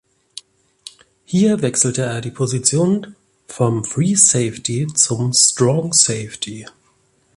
Hier wechselte er die Position vom Free Safety zum Strong Safety.